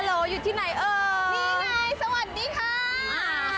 นี่ไงสวัสดีค่ะ